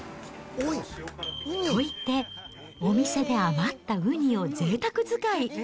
と言って、お店で余ったウニをぜいたく使い。